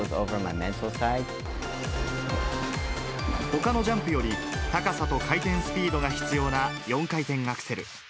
ほかのジャンプより、高さと回転スピードが必要な４回転アクセル。